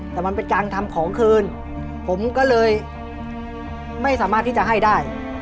แต่มันเป็นการทำของคืนผมก็เลยไม่สามารถที่จะให้ได้